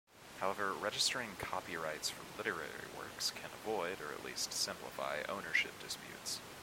However, registering copyrights for literary works can avoid, or at least simplify, ownership disputes.